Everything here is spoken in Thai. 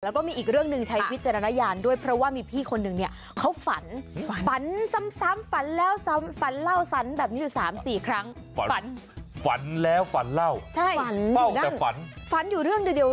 และมีอีกเรื่องนึงใช้วิจารณญานด้วยเพราะว่ามีพี่คนนึงเนี่ย